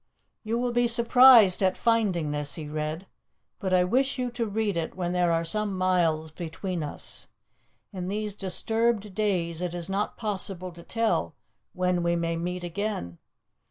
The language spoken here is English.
"You will be surprised at finding this," he read, "but I wish you to read it when there are some miles between us. In these disturbed days it is not possible to tell when we may meet again.